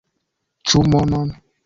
Ĉu monon?